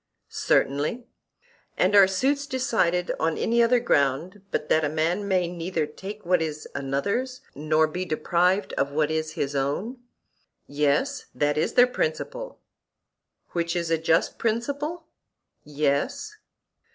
Certainly. And are suits decided on any other ground but that a man may neither take what is another's, nor be deprived of what is his own? Yes; that is their principle. Which is a just principle? Yes.